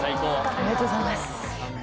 ありがとうございます。